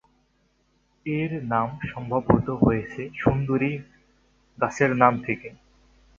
এর নাম সম্ভবত হয়েছে সুন্দরী গাছের নাম থেকে।